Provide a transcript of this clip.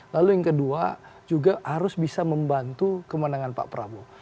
lalu yang kedua juga harus bisa membantu kemenangan pak prabowo